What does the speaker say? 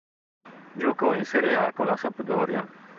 Giocò in Serie A con la Sampdoria.